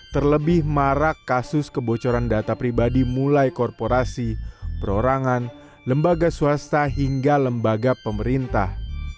terlebih marak kasus kebocoran data pribadi mulai korporasi perorangan lembaga swasta hingga lembaga pemerintah